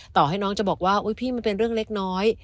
ต่อให้น้องจะบอกว่าอุ๊ยพี่มันเป็นเรื่องเล็กน้อย